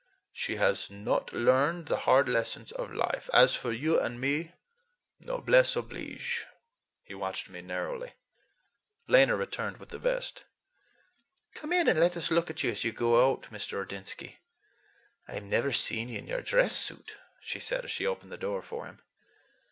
She has not learned the hard lessons of life. As for you and me, noblesse oblige,"—he watched me narrowly. Lena returned with the vest. "Come in and let us look at you as you go out, Mr. Ordinsky. I've never seen you in your dress suit," she said as she opened the door for him.